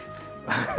ハハハ